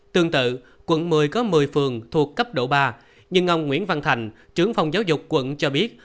tương tự quận một mươi có một mươi phường thuộc cấp độ ba nhưng ông nguyễn văn thành trưởng phòng giáo dục quận cho biết